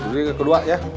sebenernya ke kedua ya